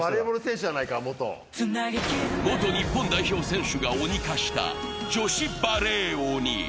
元日本代表選手が鬼化した女子バレー鬼。